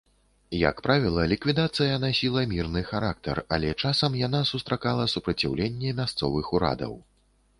Як правіла, ліквідацыя насіла мірны характар, але часам яна сустракала супраціўленне мясцовых урадаў.